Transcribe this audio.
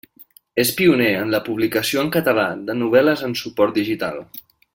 És pioner en la publicació en català de novel·les en suport digital.